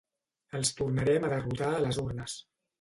Els tornarem a derrotar a les urnes.